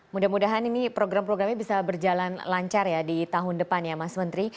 mudah mudahan ini program programnya bisa berjalan lancar ya di tahun depan ya mas menteri